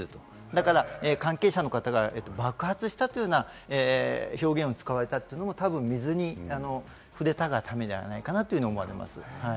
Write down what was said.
だから関係者の方が爆発したというような表現を使われたというのもたぶん水に触れたがためではないかなと思われます。